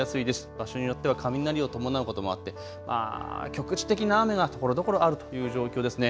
場所によっては雷を伴うこともあって局地的な雨がところどころあるという状況ですね。